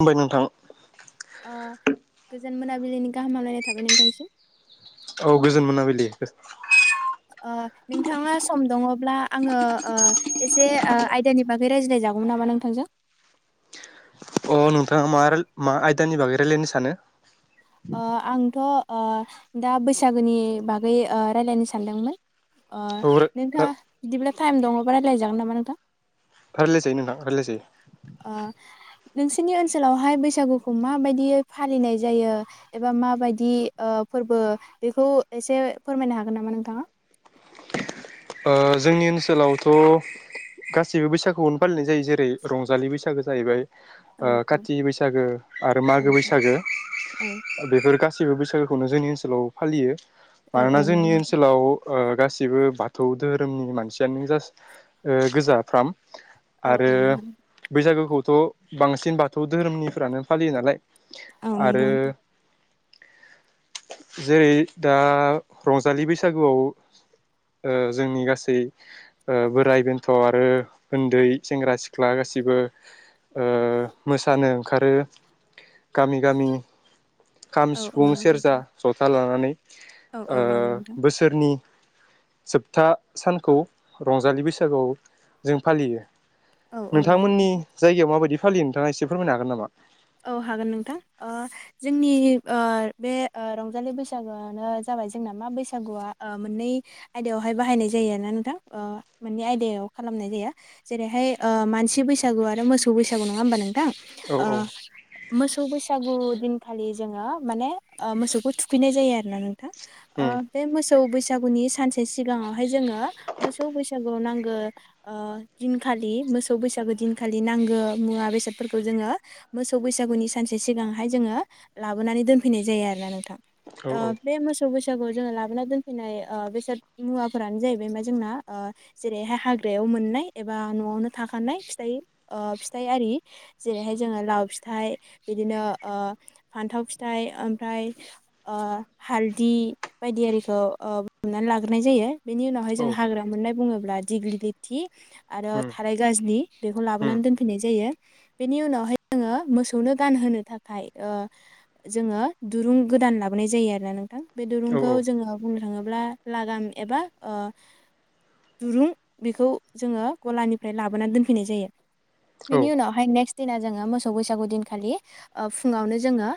खुलुमबाय नोंथां अ गोजोन मोनाबिलिनि। गाहाम हामलायनाय थाबाय नोंथांसिम। औ गोजोन मोनाबिलि। ओ नोंथाङा सम दङब्ला आङो ओ एसे आयदानि बागै रायज्लाय जागौमोन नामा नोंथांजों। अ नोंथाङा मा मा आयदानि बागै रायलायनो सानो। ओ आंथ' ओ दा बैसागोनि बागै ओ रायज्लायनो सानदोंमोन। अ औ नोंथां बिदिब्ला टाइम दङबा रायलाय जागोन नामा नोंथां। रायलाय जायो नोंथां रायलाय जायो। ओ नोंसोरनि ओनसोलावहाय बैसागुखौ माबायदियै फालिनाय जायो एबा माबायदि फोरबो बेखौ एसे फोरमायनो हागोन नामा नोंथाङा। ओ जोंनि ओनसोलावथ' गासैबो बैसागुखौनो फालिनाय जायो जेरै रंजालि बैसागो जाहैबाय। औ औ काति बैसागो आरो औ मागो बैसागो औ बेफोर गासैबो बैसागुखौनो जोंनि ओनसोलाव फालियो। औ औ मानोना जोंनि नंगौ ओनसोलाव गासिबो बाथौ धोहोरोमनि मानसियानो गोजाफ्राम। औ औ आरो नंगौ बैसागोखौ बांसिन बाथौ धोरोमनिफ्रानो फालियो नालाय। औ नंगौ। आरो जेरै दा रंजालि बैसागुआव ओ जोंनि गासै ओ बोराइ बेन्थ' आरो उन्दै सेंग्रा सिख्ला गासिबो ओ मोसानो ओंखारो गामि गामि। खाम, औ औ सिफुं, नंगौ सेरजा, नोंथां जथा लानानै औ ओ औ नंगौ नोंथां बोसोरनि जोबथा सानखौ रंजालि बैसागुआव जों फालियो। औ औ नंगौ नोंथांमोननि नोंथां जायगायाव माबायदि फालियो नोंथाङा एसे फोरमायनो हागोन नामा। औ हागोन नोंथां ओ जोंनि ओ बे रंजालि बैसागुआनो जाबाय जोंना मा बैसागुआ ओ मोननै आयदायावहाय बाहायनाय जायोना नोंथां मोननै आयदायाव खालामनाय जायो जेरैहाय ओ मानसि बैसागु आरो मोसौ बैसागु नङा होमबा नोंथां। औ ओ औ मोसौ बैसागु दिनखालि जोङो माने मोसौखौ थुखैनाय जायो आरोना। उम ओं बे मो मोसौ बैसागुनि सानसे सिगाङावहाय जोङो मोसौ बैसागुआव नांगौ दिनखालि मोसौ बैसागो दिनखालि नांगौ मुवा बेसादफोरखौ जोङो। मोसौ बैसागुनि सानसे सिगांहाय जोङो लाबोनानै दोनफैनाय जायो आरोना नोंथां। औ अ औ बे मोसौ। मोसौ बैसागु जोङो लाबोना दोनफैनाय ओ बेसाद मुवाफोरानो जाहैबाय मा जोंना ओ जेरैहाय हाग्रायाव मोननाय एबा न'आवनो थाखानाय ओ फिथाइ फिथाइ आरि जेरैहाय जोङो लाव फिथाइ बिदिनो ओ फान्थाव फिथाइ ओमफ्राय ओ हालदै बायदि आरिखौ ओ बुथुमना लाग्रोनाय जायो बेनि उनावहाय औ जों हाग्रा मोननाय बुङोब्ला दिग्लिलिथि आरो उम थाराय गाजलि बेखौ उम लाबोनानै दोनफैनाय जायो बेनि उनावहाय जोङो मोसौनो गानहोनो थाखाय ओ जोङो दुरुं गोदान लाबोनाय जायो आरोना नोंथां बे औ दुरुंखौ औ जोङो बुंनो थाङोब्ला लागाम एबा ओ दुरुं बेखौ जोङो गलानिफ्राय लाबोनानै दोनफैनाय जायो औ बिनि उनावहाय नेक्स दिना जोङो मोस सौ बैसागु दिनखालि ओ फुङावनो जोङो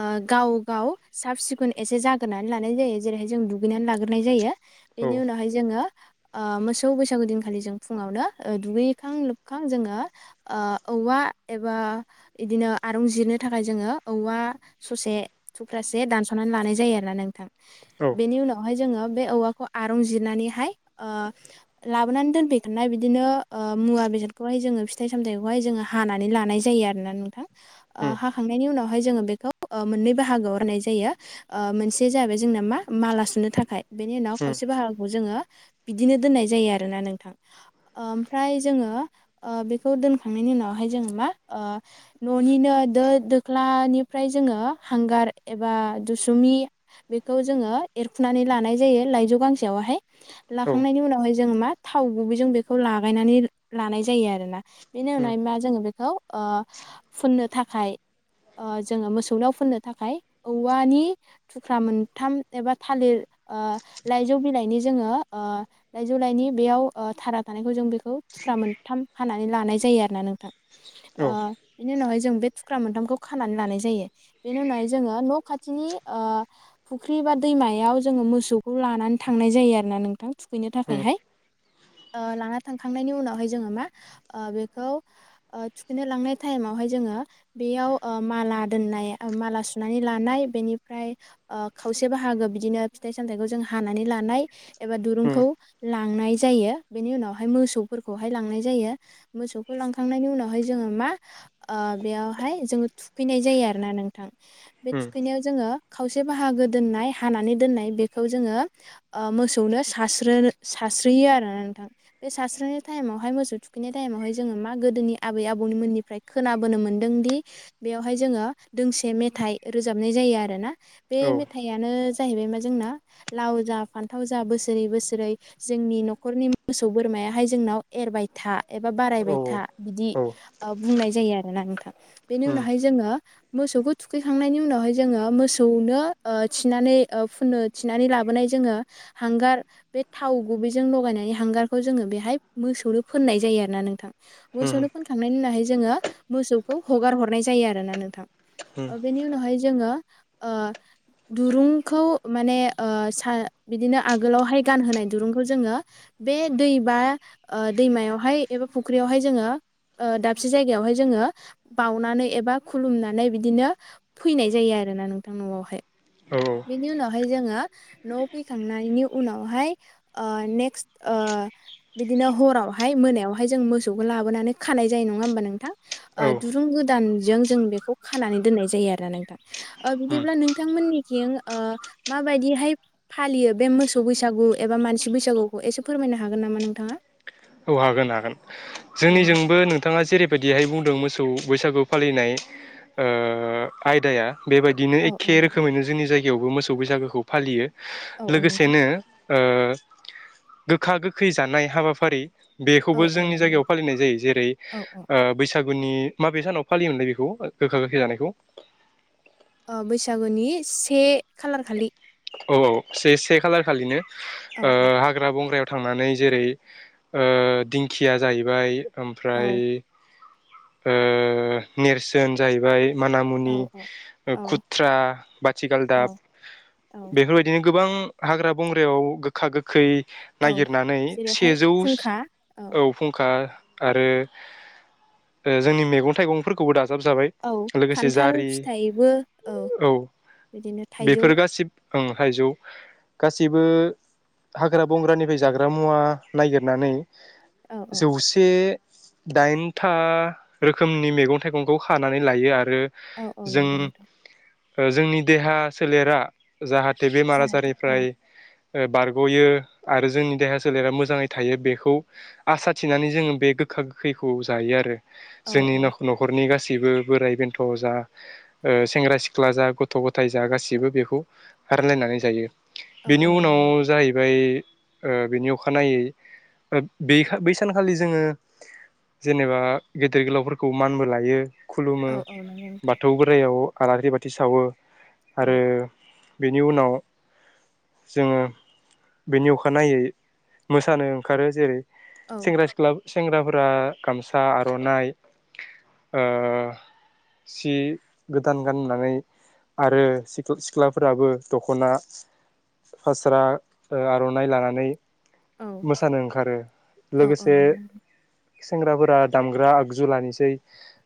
ओ गाव गाव साब सिखोन एसे जागोरनानै लानाय जायो जेरैहाय जों दुगैनानै लागोरनाय जायो औ बेनि उनावहाय जोङो ओ मोसौ बैसागु दिनखालि जों फुङावनो दुगैखां लोबखां जोङो ओ औवा एबा इदिनो आरंजिरनो थाखाय जोङो औवा ससे थुख्रासे दानस'नानै लानाय जायो आरोना नोंथां औ बेनि उनावहाय जोङो बे औवाखौ आरं जिरनानैहाय ओ लाबोनानै दोनफैखानाय बिदिनो ओ मुवा बेसादखौहाय जोङो फिथाइ सामथायाइखौहाय जोङो हानानै लानाय जायो आरो ना नोंथां ओ उम हाखांनायनि उनावहाय जोङो बेखौ ओ मोननै बाहागोआव राननाय जायो ओ मोनसे जाहैबाय जोंना मा माला सुनो थाखाय बेनि उनाव उम खावसे बाहागोखौ जोङो बिदिनो दोननाय जायो आरोना नोंथां ओमफ्राय ओ जोङो बेखौ दोनखांनायनि उनावहाय जोङो मा ओ न'निनो दो दोख्लानिफ्राय जोङो हांगार एबा दुसुमि बेखौ जोङो एरखुनानै लानाय जायो लाइजौ गांसेयावहाय औ लाखांनायनि उनावहाय जोङो मा थाव गुबैजों बेखौ लागायनानै लानाय जायो आरोना बेनि उम उनावाय मा जोङो बे औ ओ फुननो थाखाय ओ जोङो मोसौनियाव फुननो थाखाय औवानि थुख्रा मोनथाम एबा थालिर ओ लाइजौ बिलाइनि जोङो ओ लाइजौ लाइनि बेयाव ओ थारा थानायखौ जों बेखौ थुख्रा मोनथाम हानानै लानाय जायो आरोना नोंथां ओ औ बेनि उनावहाय जों बे थुख्रा मोनथामखौ खानानै लानाय जायो बेनि उनावहाय जोङो न खाथिनि ओ फुख्रि एबा दैमायाव जोङो मोसौखौ लानानै थांनाय जायो आरोना नोंथां थुखैनो उम थाखायहाय ओ लाना थांखांनायनि उनावहाय जोङो मा ओ बेखौ ओ थुखैनो लांनाय टाइमावहाय जोङो बेयाव ओ माला दोननाय ओ माला सुनानै लानाय बेनिफ्राय ओ खावसे बाहागो बिदिनो फिथाइ सामथायाइखौ जों हानानै लानाय एबा दुरुं उम खौ लांनाय जायो बेनि उनावहाय मोसौफोरखौहाय लांनाय जायो मोसौखौ लांखांनायनि उनावहाय जोङो मा ओ बेयावहाय जोङो थुखैनाय जायो आरोना नोंथां बे उम थुखैनायाव जोङो खावसे बाहागो दोननाय हानानै दोननाय बेखौ जोङो ओ मोसौनो सारस्रोनो सारस्रोयो आरोना नोंथां बे सारस्रोनाय टायेमावहाय मोसौ थुखैनाय टायेमावहाय मा गोदोनि आबै आबौनि मोनि फ्राय खोनाबोनो मोन्दोंदि बेयावहाय जोङो दोंसे मेथाइ रोजाबनाय जायो आरो ना बे औ मेथायानो जाहैबाय मा जोंना लाव जा फान्थाव जा बोसोरै बोसोरै जोंनि न'खरनि मोसौ बोरमायाहाय जोंनाव एरबाय था एबा औ बारायबाय था बिदि औ औ ओ बुंनाय जायो आरो ना नोंथां बेनि उम उनावहाय जोङो मोसौखौ थुखैखांनायनि उनावहाय जोङो मोसौनो ओ थिनानै ओ फुननो थिनानै लाबोनाय जोङो हांगार बे थाव गुबैजों लगायनानै हांगारखौ जोङो बेहाय मोसौनो फोननाय जायो आरो ना नोंथां उम मोसौनो फोनखां नायनि उनावहाय जोङो मोसौखौ हगार हरनाय जायो आरोना नोंथां उम ओ बेनि उनावहाय ज जोङो ओ दुरुंखौ माने ओ सा बिदिनो आगोलावहाय गानहोनाय दुरुंखौ जोङो बे दै बा ओ दैमायावहाय एबा फुख्रियावहाय जोङो ओ दाबसे जायगायावहाय जोङो बावनानै एबा खुलुमनानै बिदिनो फैनाय जायो आरोना नोंथां नवावहाय औ औ बेनि उनावहाय जोङो न' फैखांनायनि उनावहाय ओ नेक्स्ट ओ बिदिनो हरावहाय मोनायावहाय जों मोसौखौ लाबोनानै खानाय जायो नङा होमबा नोंथां औ ओ उम दुरुं गो दानजों जों बेखौ खानानै दोननाय जायो आरोना नोंथां ओ बिदिब्ला नोंथांमोनि थिं ओ माबायदिहाय फालियो बे मोसौ बैसागु एबा मानसि बैसागुखौ एसे फोरमायनो हागोन नामा नोंथाङा औ हागोन हागोन औ नोंथां जोंनिजोंबो नोंथाङा जेरैबायदिहाय बुंदों मोसौ सौ बैसागु फालिनाय ओ आयदाया बेबायदिनो औ औ एखे नोंथां रोखोमैनो जोंनि जाय गायावबो मोसौ बैसागोखौ फालियो। औ औ नोंथां लोगोसेनो ओ गोखा-गोखै जानाय हाबाफारि औ बेखौबो औ जोंनि नंगौ जायगायाव नोंथां। फालिनाय जायो जेरै औ औ ओ बैसा गुनि माबे सानाव फालियोमोनलाय बेखौ गोखा-गोखै जानायखौ ओ बैसागुनि से खालारखालि औ औ से से खालार खालिनो औ ओ हाग्रा-बंग्रायाव थांनानै जेरै ओ दिंखिया जाहैबाय औ ओमफ्राय ओ नेरसोन जाहैबाय औ माना-मुनि, औ औ खुथ्रा, औ माथिगालदाब औ बेफोरबायदिनो गोबां हाग्रा-बंग्रायाव गोखा-गोखै औ नागिरनानै जेरैहाय सेजौ खुंखा औ फुंखा आरो जोंनि मैगं-थाइगंफोरखौबो दा औ खान्थाल फिथाइबो औ बिदिनो थाइजौ बेफोर गासिब ओं थायजौ गाससिबो हाग्रा-बंग्रानिफ्राय जाग्रा मुवा नागिरनानै औ औ जौसे दाइनथा रोखोमनि मैगं-थाइगंखौ खानानै लायो आरो आरो औ औ जों नंगौ नोंथां ओ जोंनि देहा सोलेरा जाहा थे बेमार जाहाथे औ आजारनिफ्राय ओ बारग'यो आरो जोंनि देहा सोलेरा मोजाङै थायो बेखौ आसाथिनानै जोङो बे गोखा-गोखैखौ जायो आरो औ जोंनि औ न'-न'खरनि गासैबो बिबो बोराइ-बेन्थ' जा ओ सेंग्रा-सिख्ला जा गथ'-गथाय जा गासिबो बेखौ रानलायनानै जायो। औ बेनि औ नंगौ उनाव नोंथां जाहैबाय ओ बिनि अखानायै बै सानखालि जोङो जेनेबा गेदेर-गोलावफोरखौ मानबो लायो। खुलुमो औ औ नंगौ नोंथां बाथौ बोराइयाव आलारि बाथि सावो। औ आरो बेनि उनाव जोङो बेनि अखानायै मोसानो ओंखारो जेरै- औ सेंग्रा सिख्लाफोर सेंग्राफोरा गामसा आरो आर'नाइ ओ सि गोदान गाननानै आरो सिख्लाफोराबो दख'ना फास्रा आर'नाइ लानानै। औ मोसानो ओंखारो औ औ लोगोसे। नंगौ सेंग्राफोरा दामग्रा आगजु लानोसै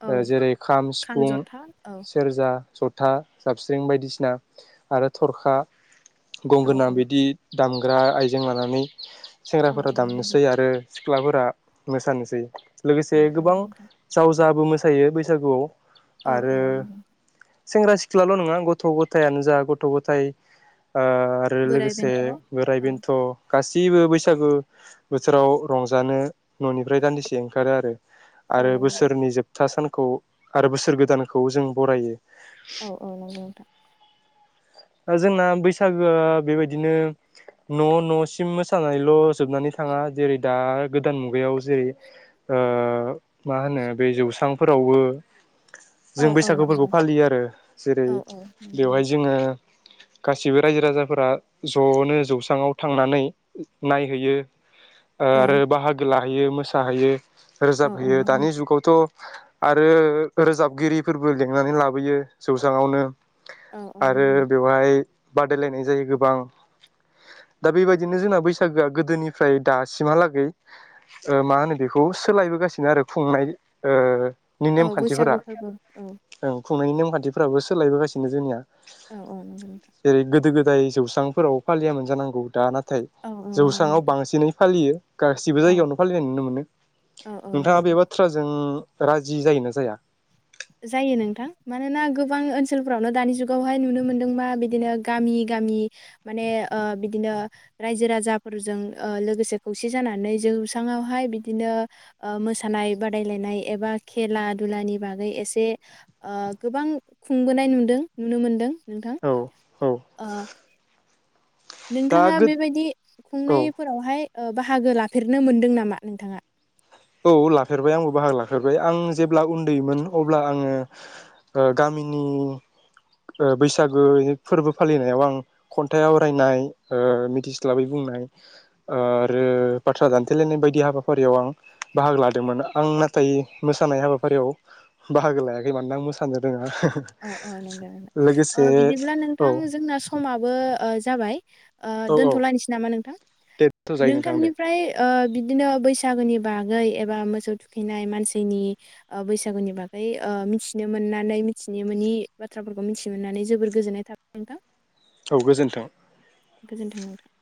औ जेरै खाम सिफुं जथा औ सेरजा ज था जाबस्रिं बायदिसिना आरो थरखा। औ गंगोना औ बिदि। दामग्रा आइजें लानानै। औ सेंग्राफोरा औ नंगौ दामनोसै नोंथां आरो सिख्लाफोरा मोसानोसै औ लोगोसे औ गोबां नोंथां जावजाबो मोस मोसायो बैसागुआव। औ औ आरो सेंग्रा सिख्लाल' नङा गथ' गथायानो जा गथ' गथायाइ। आ आरो बोराइ लोगोसे बेन्थ' औ बोराइ औ बेन्थ' गासैबो बैसागु बोथोराव रंजानो। न'निफ्राय दान्दिसे ओंखारो आरो आरो नंगौ बोसोरनि जोबथा सान खौ आरो बोसोर गोदानखौ जों बरायो। औ औ नंगौ नोंथां। जोंना बैसागोआ बेबायदिनो न' न'सिम मोसानानैल' जोबनानै थाङा जेरै दा गोदान मुगायाव जेरै ओ मा होनो बे जौस्रांफोरावबो औ जों बैसागो फोरफोरखौ फालियो आरो जेरै औ औ नंगौ बेवहाय नोंथां जोङो। गासिबो रायजो राजाफोरा ज'नो जौस्राङाव थांनानै नायहैयो। ओ औ आरो बाहागो ला होयो मोसाहैयो। रोजाब औ औ होयो नंगौ दानि नोंथां जुगावथ' आरो रोजाबगिरिफोरबो लिंनानै लाबोयो जौसांआवनो। औ औ नंगौ। बेहाय बादायलायनाय जायो गोबां। दा बेबायदिनो जोंना बैसा बैसागोआ गोदोनिफ्राय दासिमहालागै ओ मा होनो बेखौ सोलायबोगासिनो आरो खुंनाय नि औ नेमखान्थिफोरा बैसागु फोरबो औ ओं खुंनायनि नेमखान्थिफोराबो सोलायबोगासिनो जोंनिया। औ-औ नंगौ नोंथां दाय जौस्रांफोराव फालियामोन जानांगौ दाना नाथाय औ औ नंगौ जौस्राङाव नोंथां बांसिनै फालियो। गासिबो औ जायगायावनो फालिनाय नुनो मोनो। औ औ नोंथाङा नंगौ बे नोंथां बाथ्राजों राजि जायोना जाया? जायो नोंथां मानोना गोबां ओनसोलफोरावनो दानि जुगावहाय नुनो मोनदोंबा बिदिनो गामि गामि माने ओ बिदिनो रायजो राजाफोरजों लोगोसे ओ खौसे जानानै जौसाङावहाय बिदिनो ओ मोसानाय बादायलायनाय एबा खेला दुलानि बागै ए से ओ गोबां खुंबोनाय नुदों नुनो मोनदों। नोंथां औ औ ओ दा नोंथाङा गो बेबायदि औ खुंनायफोरावहाय ओ बाहागो लाफेरनो मोनदों नामा नोंथाङा? औ लाफेरबाय आंबो बाहागो लाफेरबाय। आं जेब्ला उन्दैमोन अब्ला आङो ओ गामिनि ओ बैसागो फोरबो फालिनायाव आं खन्थाइ ओ आवरायनाय मिथिस्लाबै बुंनाय आरो बाथ्रा दानथेलायनाय बायदि हाबाफारियाव आं बाहागो लादोंमोन। आं नाथाय मोसानाय हाबाफारियाव बाहागो लायाखै मानोना आं मोसानो रोङा। अ-अ नोंगौ नोंथां। ओ लोगोसे बिदिब्ला औ नोंथां जोंना समाबो ओ जाबाय ओ औ औ दोनथ'लायनोसै नामा? नोंथां दे दोनथ' जायो नोंथां दे नोंथांनिफ्राय ओ बिदिनो बैसागोनि बा गै एबा मोसौ थुखैनाय मानसिनि ओ बैसागुनि बागै ओ मिथिनो मोननानै मिथिनि मोनि बाथ्राफोरखौ मिथि मोननानै जोबोर गोजोननाय थाबाय नोंथां। औ गोजोन्थों। गोजोनथों नोंथां।